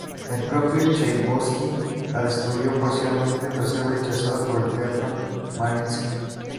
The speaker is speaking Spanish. El propio Chaikovski la destruyó parcialmente tras ser rechazada por el Teatro Mariinski.